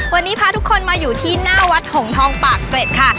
วันนี้พาทุกคนมาอยู่ที่หน้าวัดหงทองปากเกร็ดค่ะ